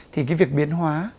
thì cái việc biến hóa